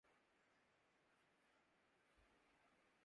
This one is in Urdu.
مجھے اپنے دل کی دھڑکن کی آواز محسوس ہو رہی تھی